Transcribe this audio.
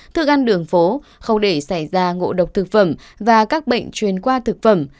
thức ăn đường phố không để xảy ra ngộ độc thực phẩm và các bệnh truyền qua thực phẩm